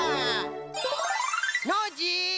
ノージー。